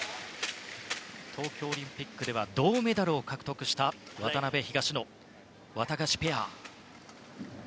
東京オリンピックでは銅メダルを獲得した渡辺、東野のワタガシペア。